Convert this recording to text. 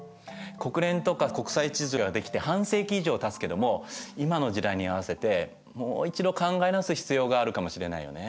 国連とか国際秩序ができて半世紀以上たつけども今の時代に合わせてもう一度考え直す必要があるかもしれないよね。